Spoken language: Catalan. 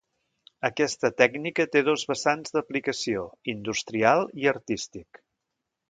Aquesta tècnica té dos vessants d'aplicació: industrial i artístic.